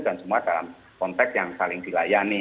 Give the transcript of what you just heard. dan semua dalam konteks yang saling dilayani